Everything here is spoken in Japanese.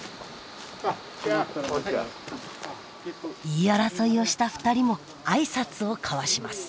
言い争いをした２人も挨拶を交わします。